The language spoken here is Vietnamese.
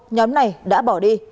nhóm này đã bỏ đi